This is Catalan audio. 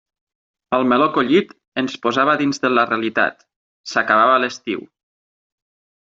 El meló collit ens posava dins de la realitat: s'acabava l'estiu.